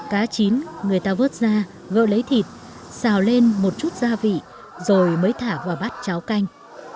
cá chín người ta vớt ra gỡ lấy thịt xào lên một chút gia vị rồi mới thả vào bát cháo canh